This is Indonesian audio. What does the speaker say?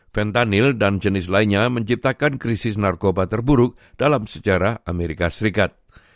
fentanyl dan jenis lainnya menciptakan krisis narkoba terburuk dalam sejarah amerika serikat